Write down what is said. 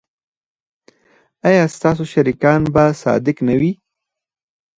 ایا ستاسو شریکان به صادق نه وي؟